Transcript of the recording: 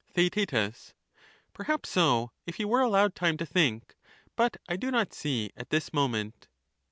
Theaet, Perhaps so, if he were allowed time to think ; but I do not see at this moment.